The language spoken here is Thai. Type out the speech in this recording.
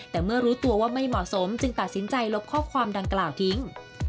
แต่เมื่อรู้ตัวว่าไม่เหมาะสมจึงตัดสินใจลบข้อความดังกล่าวทิ้ง